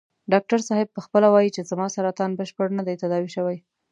ډاکټر صاحب په خپله وايي چې زما سرطان بشپړ نه دی تداوي شوی.